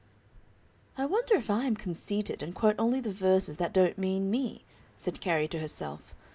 '" "I wonder if I am conceited, and quote only the verses that don't mean me," said Carrie to herself.